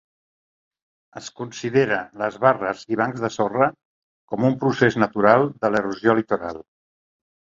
Es considera les barres i bancs de sorra com un procés natural de l'erosió litoral.